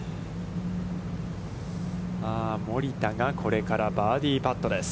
森田が、これからバーディーパットです。